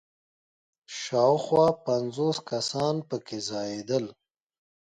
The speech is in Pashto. شاوخوا پنځوس کسان په کې ځایېدل.